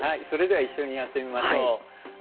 それでは一緒にやってみましょう。